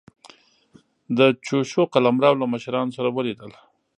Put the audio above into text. د چوشو قلمرو له مشرانو سره ولیدل.